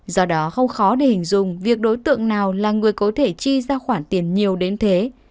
do đó không khó để hình dung việc đối tượng nào là người có thể chi ra khoản tiền nhiều đến thế